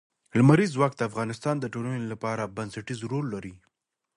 لمریز ځواک د افغانستان د ټولنې لپاره بنسټيز رول لري.